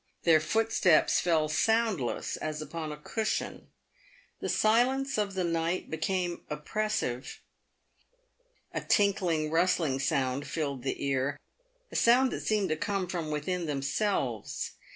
Their foot steps fell soundless, as upon a cushion. The silence of the night became oppressive. A tinkling, rustling sound filled the ear, a sound that seemed to come from within themselves.